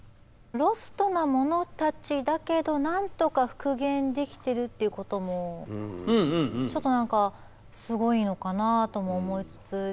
ロストなものたちだけどなんとか復元できてるっていうこともちょっと何かすごいのかなあとも思いつつ。